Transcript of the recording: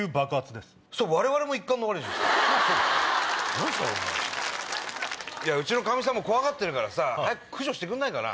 何すか⁉うちのカミさんも怖がってるから早く駆除してくんないかな？